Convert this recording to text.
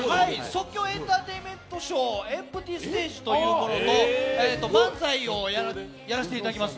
即興エンターテインメントショーエンプティーステージというものと漫才をやらせていただきます